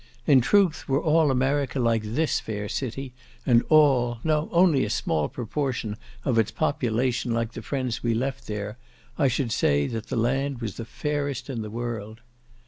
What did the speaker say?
In truth, were all America like this fair city, and all, no, only a small proportion of its population like the friends we left there, I should say, that the land was the fairest in the world.